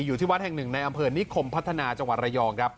อยู่ที่วัดแห่งหนึ่งในอำเภอนิคมพัฒนาจังหวัดระยองครับ